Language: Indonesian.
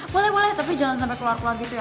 boleh boleh tapi jangan sampai keluar keluar gitu ya